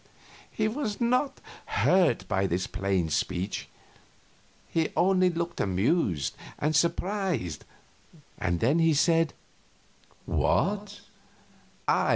He was not hurt by this plain speech; he only looked amused and surprised, and said: "What?